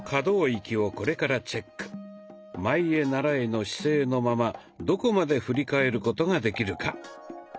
「前へならえ」の姿勢のままどこまで振り返ることができるか。